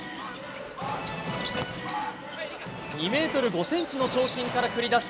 ２ｍ５ｃｍの長身から繰り出す